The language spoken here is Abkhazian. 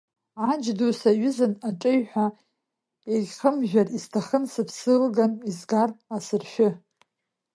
Аџь ду саҩызан, аҿаҩҳәа сегьхымжәар, исҭахын сыԥсы ылган изгар асыршәы.